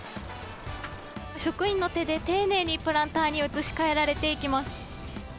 職員の手で、丁寧にプランターに移し替えられていきます。